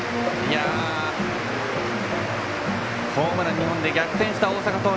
ホームラン２本で逆転した大阪桐蔭。